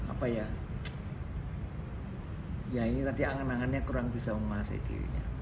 apa ya ya ini tadi angan angannya kurang bisa menguasai dirinya